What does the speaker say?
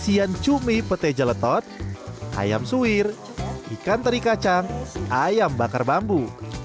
isian cumi pete jeletot ayam suwir ikan teri kacang ayam bakar bambu